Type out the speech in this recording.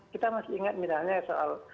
kita masih ingat misalnya soal